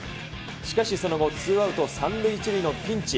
しかしその後、ツーアウト３塁１塁のピンチ。